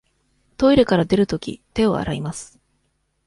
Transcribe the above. トイレから出るとき、手を洗います。